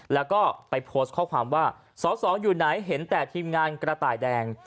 แล้วก็ไปโพสต์ข้อความว่าสอสออยู่ไหนเห็นแต่ทีมงานกระต่ายแดง